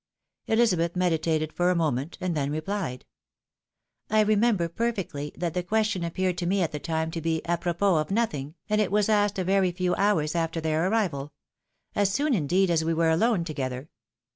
Elizabeth meditated for a moment, and then replied —" I remember perfectly that the question appeared to me at the time, to be a prnpos of nothing, and it was asked a very few hours after their arrival ; as soon, indeed, as we were alone together.